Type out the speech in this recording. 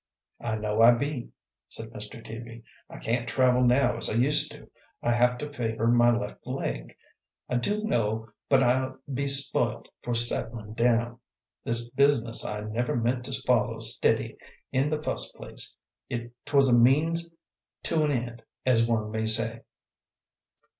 "I know I be," said Mr. Teaby. "I can't travel now as I used to. I have to favor my left leg. I do' know but I be spoilt for settlin' down. This business I never meant to follow stiddy, in the fust place; 't was a means to an end, as one may say."